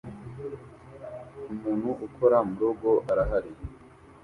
Umuntu ukora murugo arahari